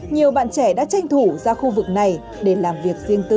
nhiều bạn trẻ đã tranh thủ ra khu vực này để làm việc riêng tư